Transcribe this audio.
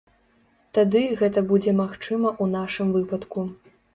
Тады гэта будзе магчыма ў нашым выпадку.